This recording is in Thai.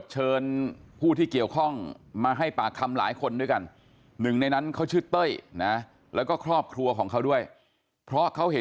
หนูเข้าแค่นั้นเองค่ะ